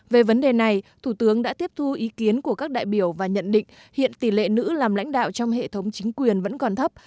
về vấn đề này thủ tướng đã tiếp thu ý kiến của các đại biểu và nhận định hiện tỷ lệ nữ làm lãnh đạo trong hệ thống chính quyền vẫn còn thấp